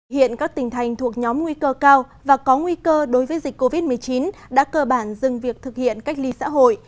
hiện các tỉnh thành thuộc nhóm nguy cơ cao và có nguy cơ đối với dịch covid một mươi chín đã cơ bản dừng việc thực hiện cách ly xã hội